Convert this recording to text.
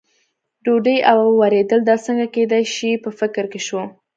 ډوډۍ او ورېدل، دا څنګه کېدای شي، په فکر کې شو.